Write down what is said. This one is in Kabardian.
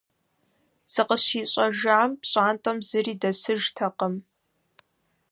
ЗыкъыщищӀэжам пщӀантӀэм зыри дэсыжтэкъым.